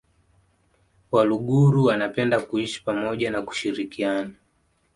Waluguru wanapenda kuishi pamoja na kushirikiana